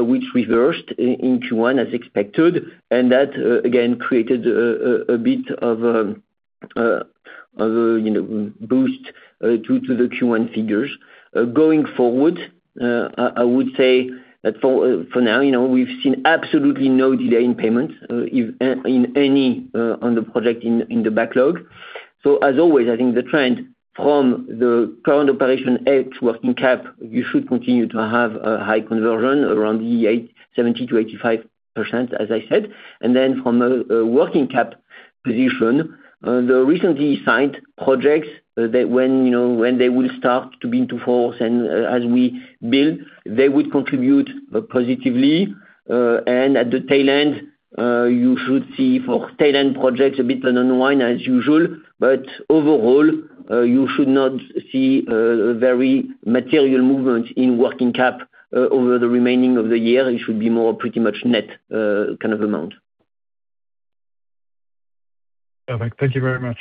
which reversed in Q1 as expected, and that again created a bit of a, you know, boost due to the Q1 figures. Going forward, I would say that for now, you know, we've seen absolutely no delay in payments, in any on the project in the backlog. As always, I think the trend from the current operation ex working cap, you should continue to have a high conversion around 70%-85%, as I said. From a working cap position, the recently signed projects that when, you know, they will start to be into force and as we build, they would contribute positively. At the tail end, you should see for tail end projects a bit of an unwind as usual. Overall, you should not see a very material movement in working cap over the remaining of the year. It should be more pretty much net, kind of amount. Perfect. Thank you very much.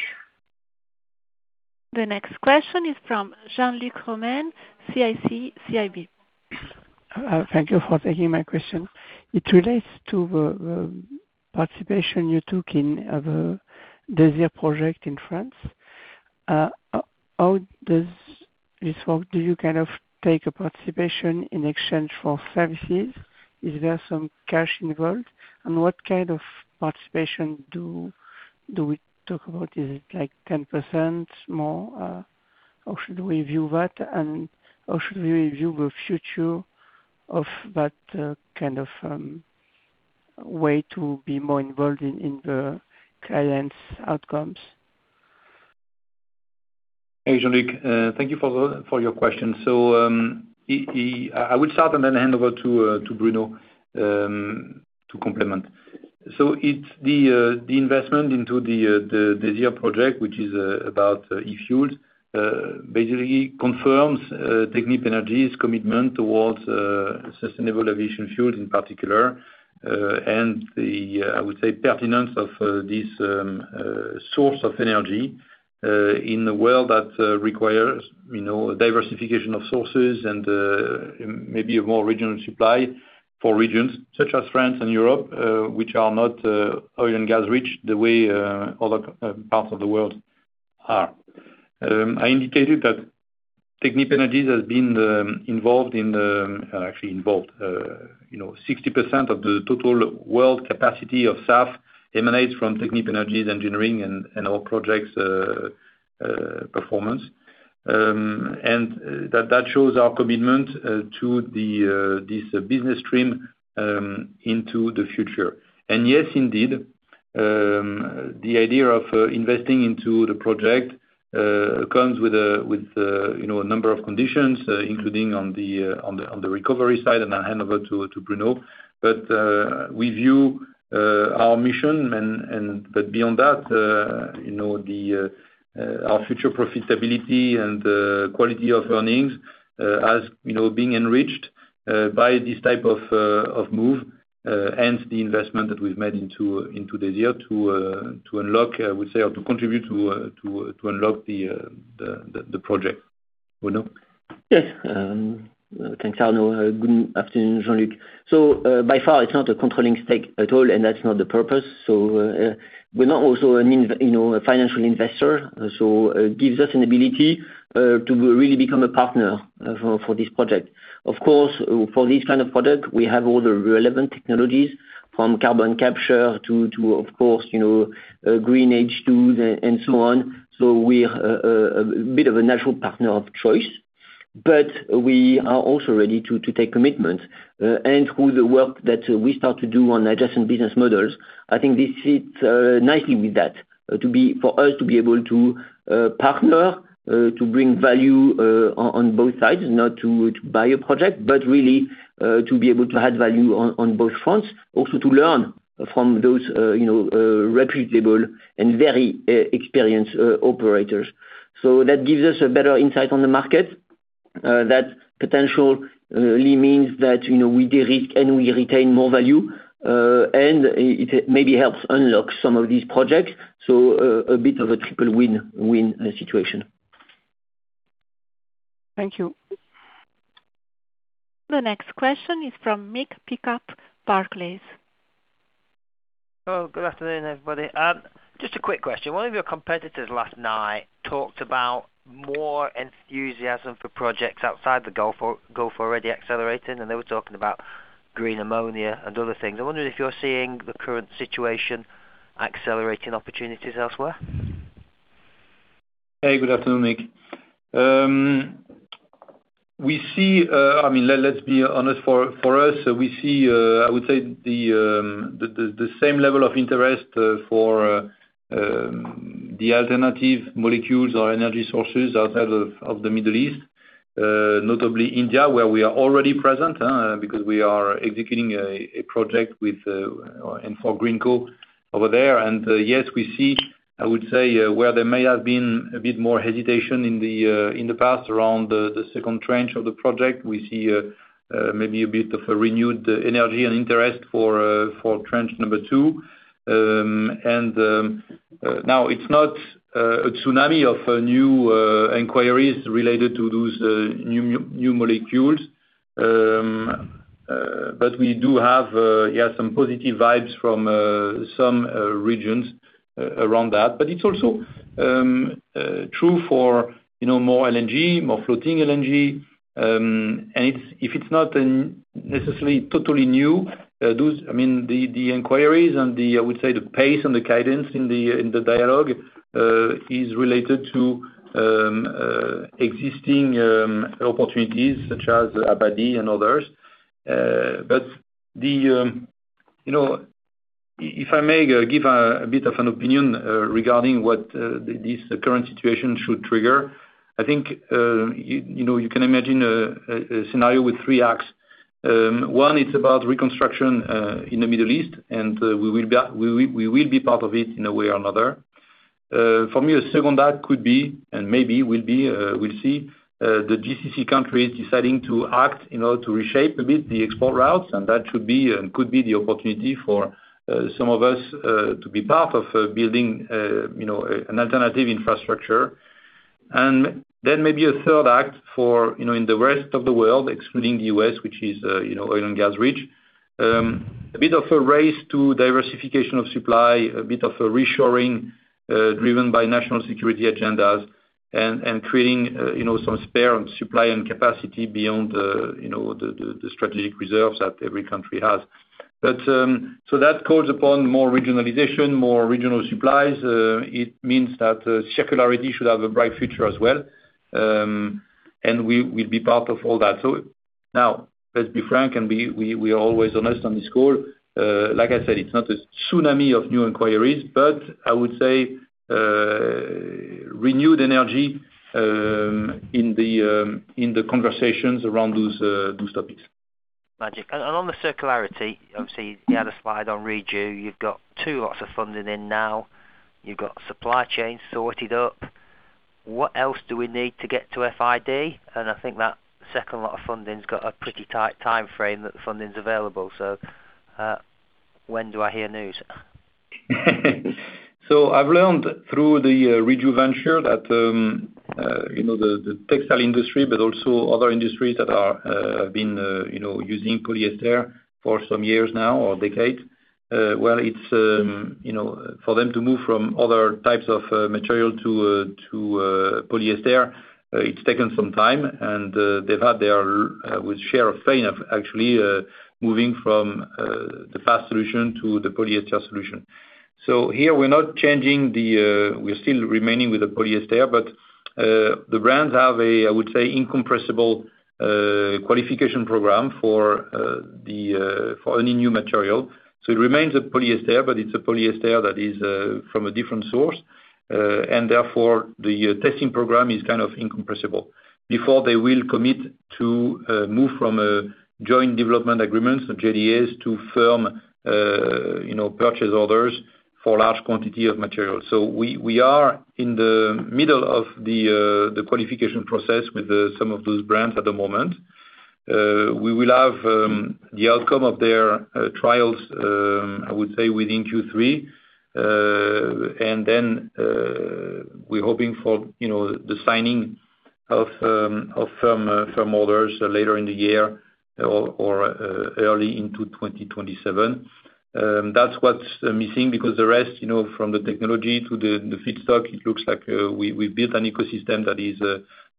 The next question is from Jean-Luc Romain, CIC Market Solutions. Thank you for taking my question. It relates to the DEZiR project in France. How does this work? Do you kind of take a participation in exchange for services? Is there some cash involved? What kind of participation do we talk about? Is it like 10% more? How should we view that, and how should we view the future of that kind of way to be more involved in the client's outcomes. Hey, Jean-Luc, thank you for your question. I will start and then hand over to Bruno to complement. It's the investment into the Zephyr project, which is about e-fuel, basically confirms Technip Energies' commitment towards sustainable aviation fuel in particular, and the I would say pertinence of this source of energy in the world that requires, you know, diversification of sources and maybe a more regional supply for regions such as France and Europe, which are not oil and gas rich the way other parts of the world are. I indicated that Technip Energies has been involved in the... Actually involved, you know, 60% of the total world capacity of SAF emanates from Technip Energies engineering and our projects performance. That shows our commitment to this business stream into the future. Yes, indeed, the idea of investing into the project comes with, you know, a number of conditions, including on the recovery side. I'll hand over to Bruno. We view our mission and... Beyond that, you know, the our future profitability and quality of earnings, as, you know, being enriched by this type of move, hence the investment that we've made into the year to unlock, I would say, or to contribute to unlock the project. Bruno? Yes. Thanks, Arnaud. Good afternoon, Jean-Luc. By far, it's not a controlling stake at all, and that's not the purpose. We're not also a financial investor, so, gives us an ability to really become a partner for this project. Of course, for this kind of product, we have all the relevant technologies, from carbon capture to, of course, you know, green H2 and so on. We're a bit of a natural partner of choice. We are also ready to take commitment, and through the work that we start to do on adjacent business models, I think this fits nicely with that. For us to be able to partner to bring value on both sides, not to buy a project, but really to be able to add value on both fronts. Also to learn from those, you know, reputable and very experienced operators. That gives us a better insight on the market. That potentially means that, you know, we de-risk and we retain more value, and it maybe helps unlock some of these projects. A bit of a triple win-win situation. Thank you. The next question is from Mick Pickup, Barclays. Good afternoon, everybody. Just a quick question. One of your competitors last night talked about more enthusiasm for projects outside the Gulf or Gulf already accelerating. They were talking about green ammonia and other things. I wonder if you're seeing the current situation accelerating opportunities elsewhere. Hey, good afternoon, Mick. We see, let's be honest, for us, we see, I would say the same level of interest for the alternative molecules or energy sources outside of the Middle East, notably India, where we are already present because we are executing a project with and for Greenko over there. Yes, we see, I would say, where there may have been a bit more hesitation in the past around the second tranche of the project. We see, maybe a bit of a renewed energy and interest for tranche number 2. Now it's not a tsunami of new inquiries related to those new molecules. We do have, yeah, some positive vibes from some regions around that. It's also true for, you know, more LNG, more floating LNG. It's if it's not necessarily totally new, those, I mean, the inquiries and the, I would say, the pace and the cadence in the dialogue, is related to existing opportunities such as Abadi and others. The, you know, if I may give a bit of an opinion regarding what this current situation should trigger, I think, you know, you can imagine a scenario with three acts. One is about reconstruction in the Middle East, and we will be part of it in a way or another. For me, a second act could be, and maybe will be, we'll see, the GCC countries deciding to act, you know, to reshape a bit the export routes, and that should be and could be the opportunity for some of us to be part of building, you know, an alternative infrastructure. Maybe a third act for, you know, in the rest of the world, excluding the U.S., which is, you know, oil and gas rich, a bit of a race to diversification of supply, a bit of a reshoring, driven by national security agendas and creating, you know, some spare and supply and capacity beyond the, you know, the, the strategic reserves that every country has. That calls upon more regionalization, more regional supplies. It means that circularity should have a bright future as well. We will be part of all that. Now, let's be frank and we are always honest on this call. Like I said, it's not a tsunami of new inquiries, but I would say renewed energy in the conversations around those topics. Magic. On the circularity, obviously the other slide on Reju, you've got two lots of funding in now. You've got supply chain sorted up. What else do we need to get to FID? I think that second lot of funding's got a pretty tight timeframe that the funding's available. When do I hear news? I've learned through the Reju venture that, you know, the textile industry, but also other industries that have been, you know, using polyester for some years now or decades, well, it's, you know, for them to move from other types of material to polyester, it's taken some time and they've had their with share of pain of actually moving from the fast solution to the polyester solution. Here we're not changing the, we're still remaining with the polyester, but the brands have a, I would say, incompressible qualification program for the for any new material. It remains a polyester, but it's a polyester that is from a different source. Therefore the testing program is kind of incompressible before they will commit to move from a Joint Development Agreements, the JDAs to firm, you know, Purchase Orders for large quantity of material. We are in the middle of the qualification process with some of those brands at the moment. We will have the outcome of their trials, I would say within Q3. Then we're hoping for, you know, the signing of firm orders later in the year or early into 2027. That's what's missing because the rest, you know, from the technology to the feedstock, it looks like we built an ecosystem that is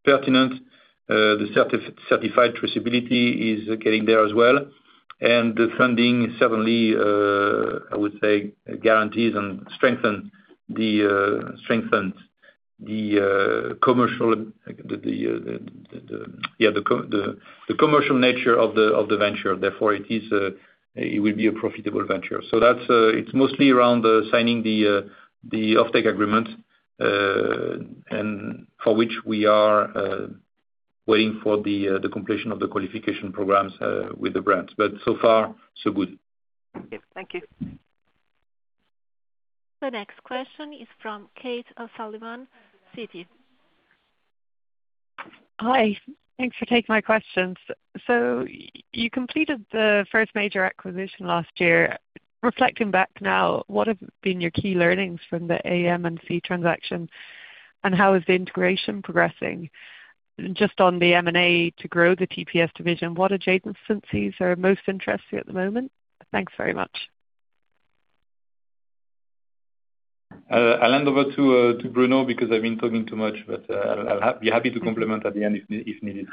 pertinent. The certified traceability is getting there as well. The funding certainly, I would say guarantees and strengthens the commercial nature of the venture. Therefore, it is, it will be a profitable venture. That's, it's mostly around the signing the offtake agreement, and for which we are waiting for the completion of the qualification programs with the brands. So far so good. Yep. Thank you. The next question is from Kate O'Sullivan, Citi. Hi. Thanks for taking my questions. You completed the first major acquisition last year. Reflecting back now, what have been your key learnings from the AM&C transaction, and how is the integration progressing? Just on the M&A to grow the TPS division, what adjacent instances are most interesting at the moment? Thanks very much. I'll hand over to Bruno because I've been talking too much, but I'll be happy to complement at the end if needed.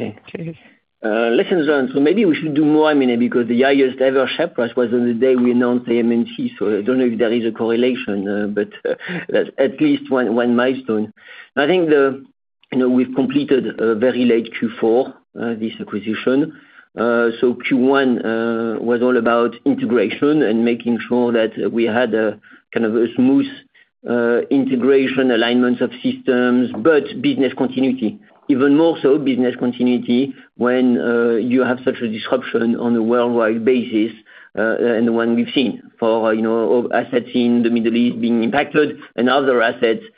Okay. Cheers. Lessons learned. Maybe we should do more AM&A because the highest ever share price was on the day we announced the AM&C. I don't know if there is a correlation, but at least one milestone. I think the, you know, we've completed a very late Q4, this acquisition. Q1 was all about integration and making sure that we had a, kind of a smooth integration alignment of systems, but business continuity, even more so business continuity when you have such a disruption on a worldwide basis, and one we've seen for, you know, assets in the Middle East being impacted and other assets around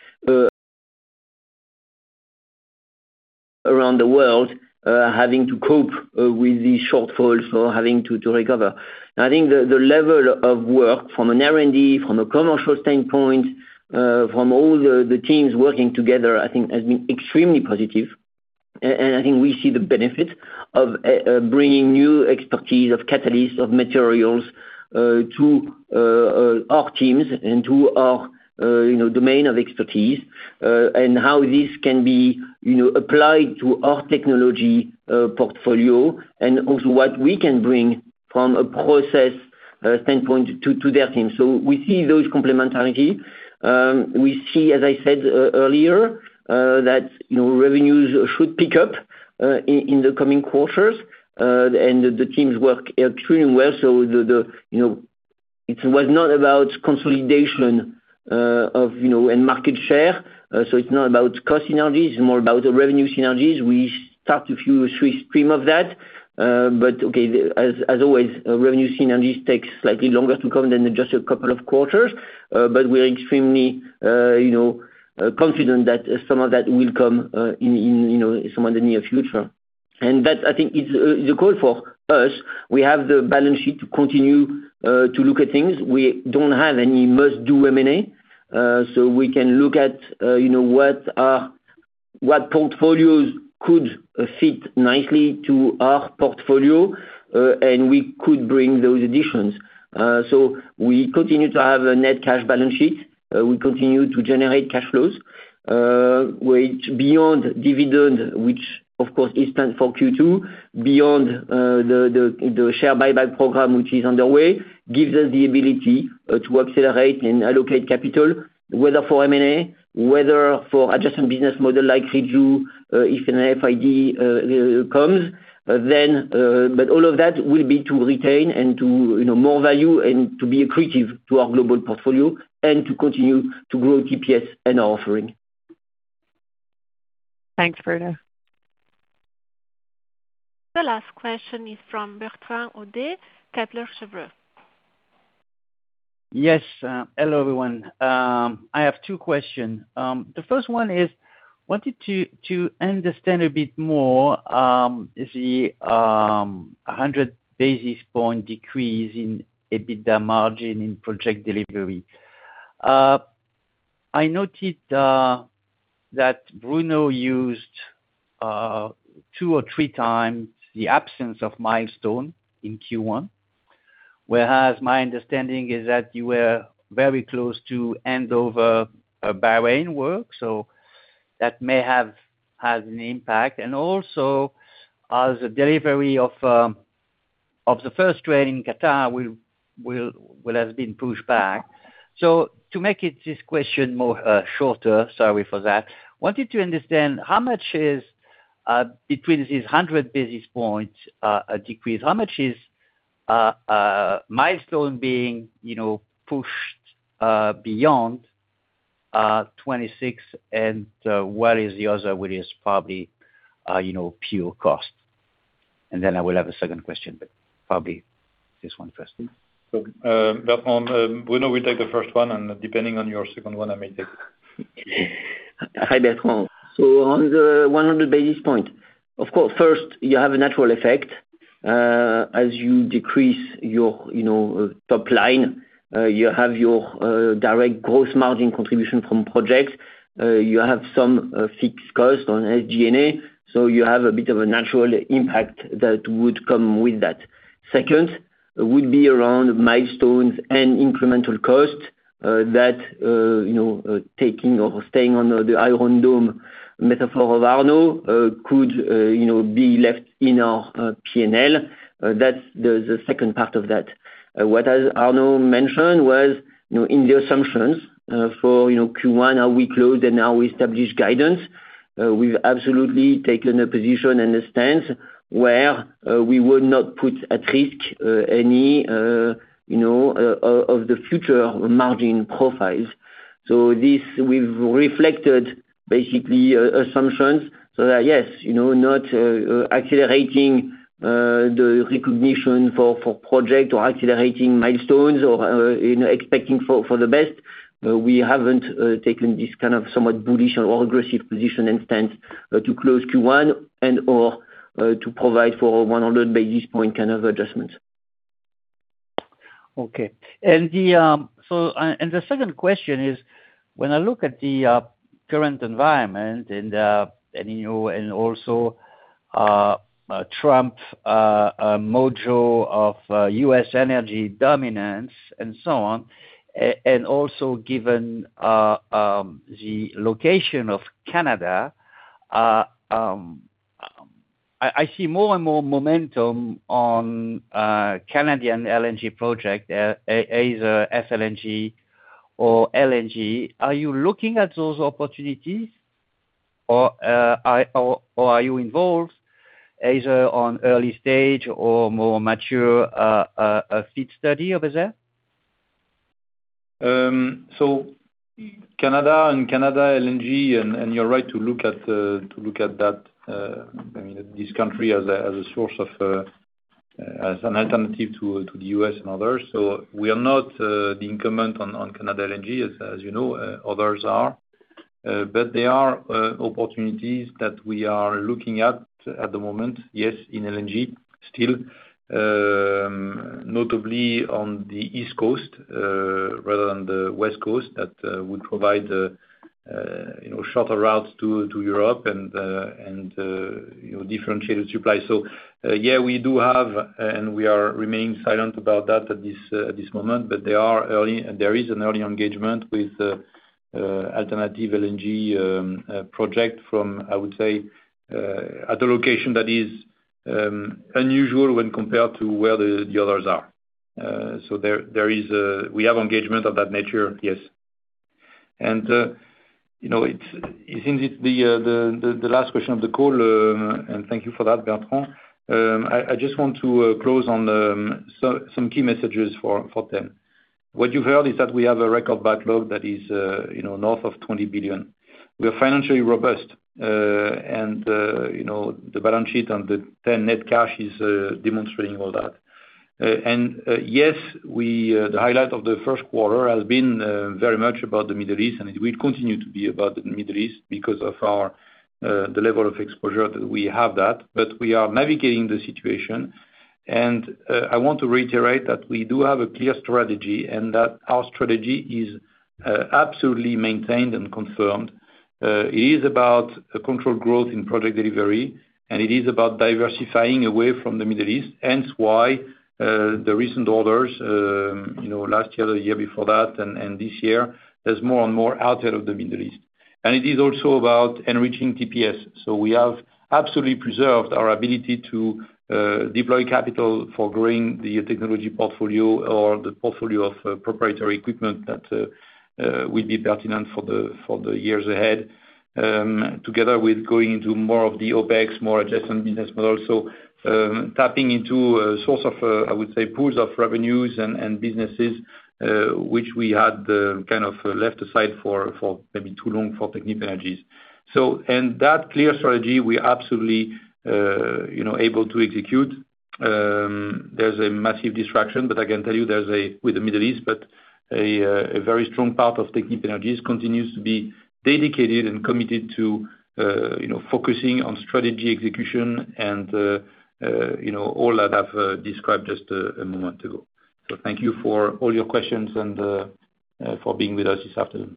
the world having to cope with these shortfalls or having to recover. I think the level of work from an R&D, from a commercial standpoint, from all the teams working together, I think has been extremely positive. And I think we see the benefit of bringing new expertise of catalysts, of materials, to our teams and to our, you know, domain of expertise, and how this can be, you know, applied to our technology portfolio and also what we can bring from a process standpoint to their team. We see those complementarity. We see, as I said earlier, that revenues should pick up in the coming quarters. The teams work extremely well. The, you know, it was not about consolidation, of, you know, and market share. It's not about cost synergies, it's more about the revenue synergies. We start a few stream of that. Okay, as always, revenue synergies takes slightly longer to come than just a couple of quarters. We are extremely, you know, confident that some of that will come in, you know, some of the near future. That I think is a call for us. We have the balance sheet to continue to look at things. We don't have any must-do M&A. We can look at, you know, what our, what portfolios could fit nicely to our portfolio, and we could bring those additions. We continue to have a net cash balance sheet. We continue to generate cash flows, which beyond dividend, which of course is planned for Q2 beyond the share buyback program, which is underway, gives us the ability to accelerate and allocate capital, whether for M&A, whether for adjacent business model like Reju, if an FID comes, then, all of that will be to retain and to, you know, more value and to be accretive to our global portfolio and to continue to grow TPS and our offering. Thanks, Bruno. The last question is from Bertrand Hodee, Kepler Cheuvreux. Yes. Hello, everyone. I have two question. The first one is, wanted to understand a bit more, the 100 basis points decrease in EBITDA margin in project delivery. I noted that Bruno used 2 or 3x the absence of milestone in Q1. My understanding is that you were very close to hand over Bahrain work, so that may have had an impact. Also, as the delivery of the first train in Qatar will have been pushed back. To make this question more shorter, sorry for that. Wanted to understand how much is between these 100 basis points a decrease, how much is milestone being, you know, pushed beyond 2026, and what is the other? What is probably, you know, pure cost. I will have a second question, but probably this one first. Bertrand, Bruno will take the first one, and depending on your second one, I may take it. Hi, Bertrand. On the 100 basis points, of course, first you have a natural effect. As you decrease your, you know, top line, you have your direct gross margin contribution from projects. You have some fixed cost on SG&A, so you have a bit of a natural impact that would come with that. Second, would be around milestones and incremental costs that, you know, taking or staying on the Iron Dome metaphor of Arnaud, could, you know, be left in our P&L. That's the second part of that. What, as Arnaud mentioned was, you know, in the assumptions for Q1 how we closed and now we established guidance, we've absolutely taken a position and a stance where we will not put at risk any you know of the future margin profiles. This we've reflected basically assumptions so that yes you know not accelerating the recognition for project or accelerating milestones or you know expecting for the best. We haven't taken this kind of somewhat bullish or aggressive position and stance to close Q1 and/or to provide for 100 basis point kind of adjustments. Okay. The second question is, when I look at the current environment and, you know, and also Trump module of U.S. energy dominance and so on, and also given the location of Canada, I see more and more momentum on Canadian LNG project, either FLNG or LNG. Are you looking at those opportunities or are you involved either on early stage or more mature a feed study over there? Canada and Canada LNG and, you're right to look at, to look at that, I mean, this country as a, as a source of, as an alternative to the U.S. and others. We are not the incumbent on Canada LNG as, you know, others are. There are opportunities that we are looking at the moment, yes, in LNG still. Notably on the East Coast, rather than the West Coast that would provide, you know, shorter routes to Europe and, you know, differentiated supply. Yeah, we do have and we are remaining silent about that at this moment. There is an early engagement with alternative LNG project from, I would say, at a location that is unusual when compared to where the others are. We have engagement of that nature, yes. You know, it's indeed the last question of the call. Thank you for that, Bertrand. I just want to close on some key messages for them. What you've heard is that we have a record backlog that is, you know, north of 20 billion. We are financially robust. You know, the balance sheet and the T.EN net cash is demonstrating all that. Yes, we, the highlight of the Q1 has been very much about the Middle East, and it will continue to be about the Middle East because of our the level of exposure that we have that. We are navigating the situation. I want to reiterate that we do have a clear strategy and that our strategy is absolutely maintained and confirmed. It is about a controlled growth in project delivery, and it is about diversifying away from the Middle East, hence why, the recent orders, you know, last year, the year before that and this year there's more and more outside of the Middle East. It is also about enriching TPS. We have absolutely preserved our ability to deploy capital for growing the technology portfolio or the portfolio of proprietary equipment that will be pertinent for the years ahead. Together with going into more of the OpEx, more adjacent business models. Tapping into a source of, I would say pools of revenues and businesses, which we had kind of left aside for maybe too long for Technip Energies. That clear strategy, we absolutely, you know, able to execute. There's a massive distraction, but I can tell you there's with the Middle East, but a very strong part of Technip Energies continues to be dedicated and committed to, you know, focusing on strategy execution and, you know, all that I've described just a moment ago. Thank you for all your questions and for being with us this afternoon.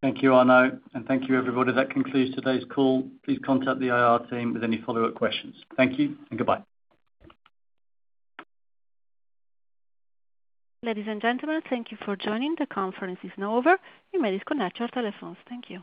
Thank you, Arnaud, and thank you everybody. That concludes today's call. Please contact the IR team with any follow-up questions. Thank you and goodbye. Ladies and gentlemen, thank you for joining. The conference is now over. You may disconnect your telephones. Thank you.